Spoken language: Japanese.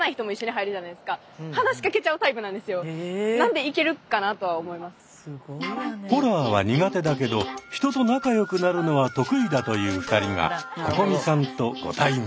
でも私結構ホラーは苦手だけど人と仲よくなるのは得意だという２人がここみさんとご対面。